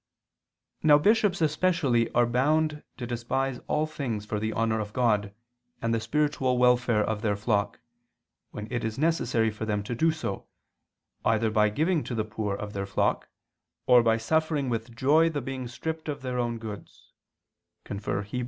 Now bishops especially are bound to despise all things for the honor of God and the spiritual welfare of their flock, when it is necessary for them to do so, either by giving to the poor of their flock, or by suffering "with joy the being stripped of" their "own goods" [*Heb.